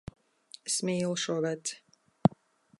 Es mīlu šo veci.